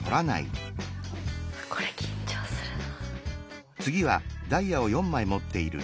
これ緊張するな。